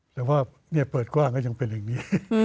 แต่ว่าเปิดกว้างก็ยังเป็นอย่างนี้